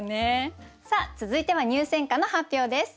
続いては入選歌の発表です。